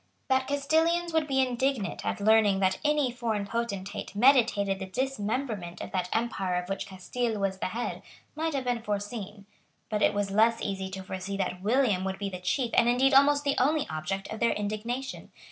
That Castilians would be indignant at learning that any foreign potentate meditated the dismemberment of that empire of which Castile was the head might have been foreseen. But it was less easy to foresee that William would be the chief and indeed almost the only object of their indignation.